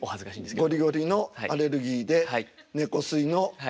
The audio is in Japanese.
ゴリゴリのアレルギーで猫吸いの直人さん。